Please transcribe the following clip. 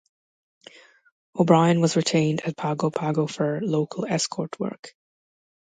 "O'Brien" was retained at Pago Pago for local escort work.